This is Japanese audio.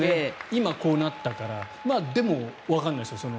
今、こうなったからでもわからないですよ。